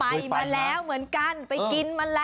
ไปมาแล้วเหมือนกัน